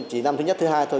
chỉ năm thứ nhất thứ hai thôi